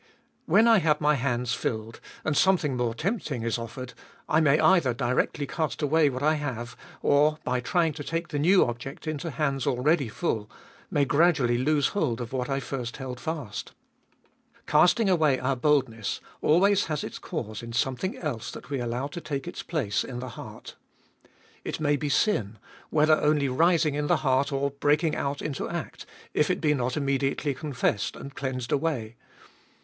When I have my hands filled, and something more tempting is offered, I may either directly cast away what I have, or, by trying to take the new object into hands already full, may gradually lose hold of what I first held fast. Casting away our boldness always has its cause in something else that we allow to take its place in the 414 heart. It may be sin, whether only rising in the heart or breaking out into act, if it be not immediately confessed and cleansed away.